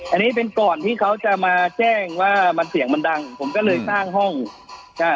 อันนี้เป็นก่อนที่เขาจะมาแจ้งว่ามันเสียงมันดังผมก็เลยสร้างห้องใช่